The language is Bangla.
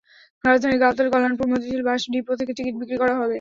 রাজধানীর গাবতলী, কল্যাণপুর, মতিঝিল বাস ডিপো থেকে টিকিট বিক্রি করা হবে।